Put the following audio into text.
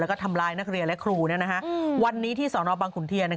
แล้วก็ทำร้ายนักเรียนและครูวันนี้ที่สนบังขุนเทียน